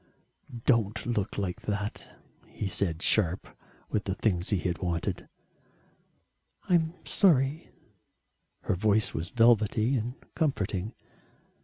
"Don't look like that," he said sharp with the things he had wanted. "I'm sorry," her voice was velvety and comforting.